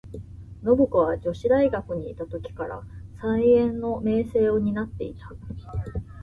信子は女子大学にゐた時から、才媛の名声を担ってゐた。